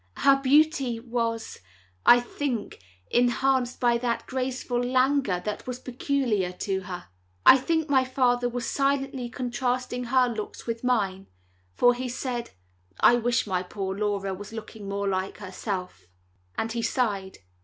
Her beauty was, I think, enhanced by that graceful languor that was peculiar to her. I think my father was silently contrasting her looks with mine, for he said: "I wish my poor Laura was looking more like herself"; and he sighed.